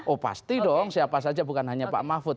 oh pasti dong siapa saja bukan hanya pak mahfud